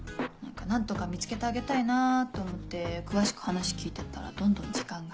何とか見つけてあげたいなぁと思って詳しく話聞いてったらどんどん時間が。